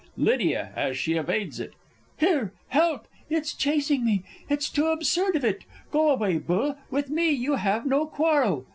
Lydia (as she evades it). Here, help! it's chasing me! it's too absurd of it! Go away, Bull with me you have no quarrel!